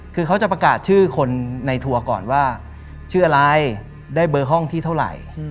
คือเขาจะประกาศชื่อคนในทัวร์ก่อนว่าชื่ออะไรได้เบอร์ห้องที่เท่าไหร่